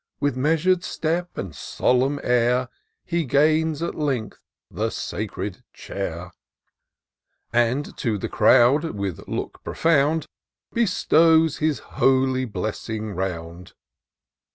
With measiir*d step and solemn air, He gains at length the sacred chair ; And to the crowd, with look profound. Bestows his holy blessing round.